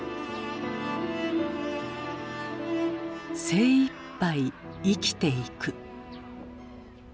精いっぱい生きていく。